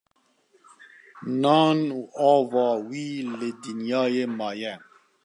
Nan û ava wî li dinyayê maye